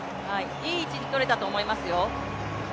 いい位置にとれたと思いますよ。